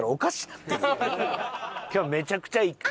今日めちゃくちゃいい。